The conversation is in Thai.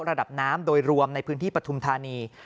ระดับน้ำโดยรวมในพื้นที่ปฐุมธานี